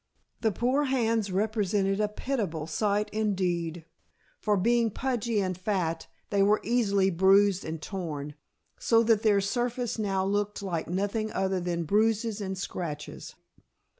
The poor hands represented a pitiable sight indeed, for being pudgy and fat, they were easily bruised and torn, so that their surface now looked like nothing other than bruises and scratches.